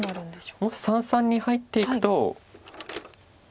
もし三々に入っていくと。